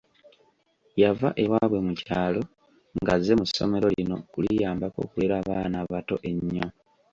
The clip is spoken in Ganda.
Yava ewaabwe mu kyalo ng’azze mu ssomero lino kuliyambako kulera baana abato ennyo.